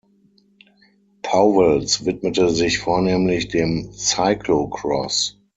Pauwels widmete sich vornehmlich dem Cyclocross.